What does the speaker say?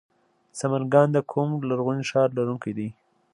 سمنګان د کوم لرغوني ښار لرونکی دی؟